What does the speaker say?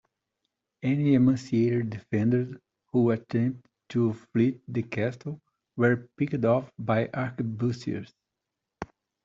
Any emaciated defenders who attempted to flee the castle were picked off by arquebusiers.